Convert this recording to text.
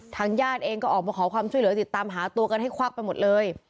ญาติเองก็ออกมาขอความช่วยเหลือติดตามหาตัวกันให้ควักไปหมดเลย